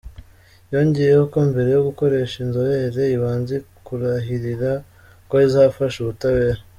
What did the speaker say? Yongeyeho ko mbere yo gukoresha inzobere ibanza kurahirira ko izafasha ubutabera.